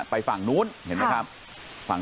ไปฝั่งนู้นเห็นมั้ยครับ